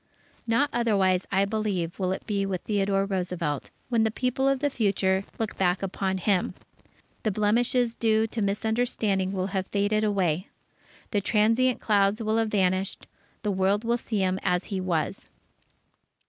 Not otherwise, I believe, will it be with Theodore Roosevelt, when the people of the future look back upon him. The blemishes due to misunderstanding will have faded away. The transient clouds will have vanished. The world will see him as he was....